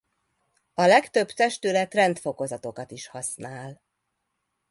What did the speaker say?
A legtöbb testület rendfokozatokat is használ.